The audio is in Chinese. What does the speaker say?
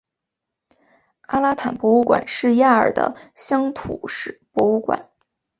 阿拉坦博物馆是亚尔的乡土史博物馆。